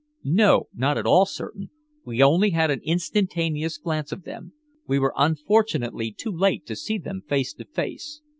"No, not at all certain. We only had an instantaneous glance of them. We were unfortunately too late to see them face to face."